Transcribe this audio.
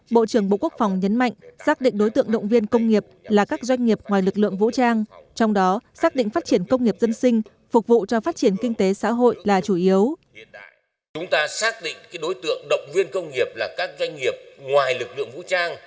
bộ trưởng bộ quốc phòng nhấn mạnh xác định đối tượng động viên công nghiệp là các doanh nghiệp ngoài lực lượng vũ trang trong đó xác định phát triển công nghiệp dân sinh phục vụ cho phát triển kinh tế xã hội là chủ yếu